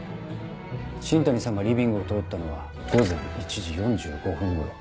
新谷さんがリビングを通ったのは午前１時４５分頃。